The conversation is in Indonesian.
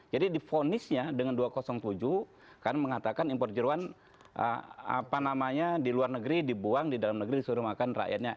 jadi di vonisnya dengan dua ratus tujuh kan mengatakan impor jeruan apa namanya di luar negeri dibuang di dalam negeri disuruh makan rakyatnya